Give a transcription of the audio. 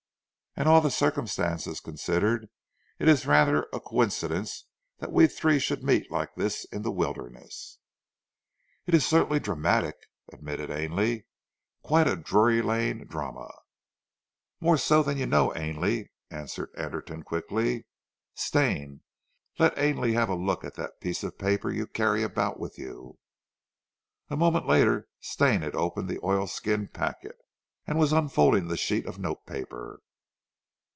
"And all the circumstances considered it is rather a coincidence that we three should meet like this in the wilderness." "It certainly is dramatic," admitted Ainley. "Quite a Drury Lane drama." "More so than you know, Ainley," answered Anderton quickly. "Stane, let Ainley have a look at that piece of paper you carry about with you." A moment later Stane had opened the oilskin packet, and was unfolding the sheet of note paper.